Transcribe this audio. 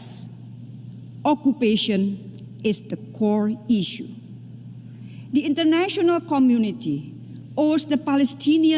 komunitas internasional memiliki orang orang palestina